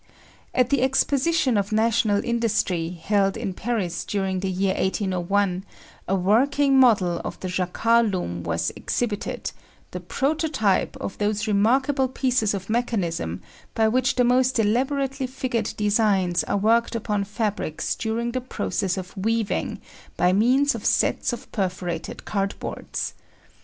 At the Exposition of National Industry, held in Paris during the year 1801, a working model of the Jacquard loom was exhibited the prototype of those remarkable pieces of mechanism by which the most elaborately figured designs are worked upon fabrics during the process of weaving by means of sets of perforated cardboards.